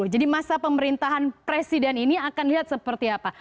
jadi masa pemerintahan presiden ini akan lihat seperti apa